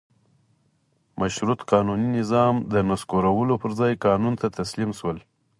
مشروطه قانوني نظام د نسکورولو پر ځای قانون ته تسلیم شول.